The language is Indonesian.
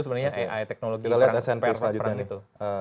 sebenarnya ai teknologi perang itu